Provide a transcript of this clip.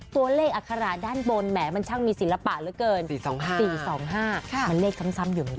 ตัวเลขอัคราด้านบนมันช่างมีศิลปะเหลือเกิน๔๒๕มันเลขซ้ำอยู่